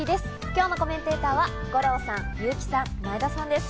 今日のコメンテーターの皆さんです。